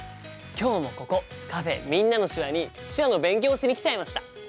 今日もここカフェ「みんなの手話」に手話の勉強をしに来ちゃいました！